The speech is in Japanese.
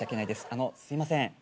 あのうすいません。